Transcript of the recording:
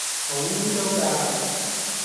好污糟㗎